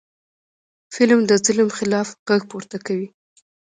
فلم د ظلم خلاف غږ پورته کوي